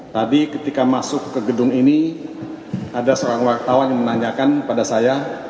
tadi ketika masuk ke gedung ini ada seorang wartawan yang menanyakan pada saya